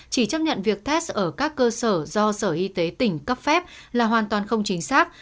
chỉ chấp nhận việc test ở các cơ sở do sở y tế tỉnh cấp phép là hoàn toàn không chính xác